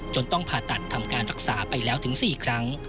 ต้องผ่าตัดทำการรักษาไปแล้วถึง๔ครั้ง